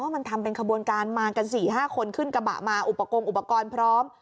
มันทำเป็นขบวนการมากัน๔๕คนขึ้นกระบะมาอุปกรณ์อุปกรณ์พร้อม